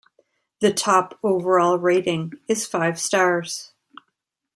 The top overall rating is five stars.